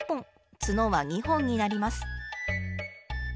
角は２本になります。